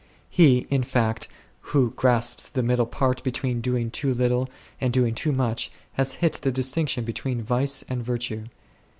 He, in fact, who grasps the middle point between doing too little and doing too much has hit the distinction between vice and virtue.